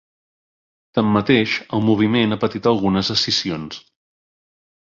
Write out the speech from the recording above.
Tanmateix, el moviment ha patit algunes escissions.